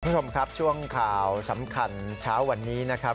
คุณผู้ชมครับช่วงข่าวสำคัญเช้าวันนี้นะครับ